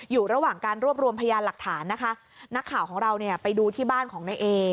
อยู่ระหว่างการรวบรวมพยานหลักฐานนะคะนักข่าวของเราเนี่ยไปดูที่บ้านของนายเอ